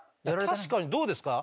確かにどうですか？